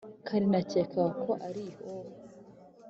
Kare nakekaga ko ari ihoho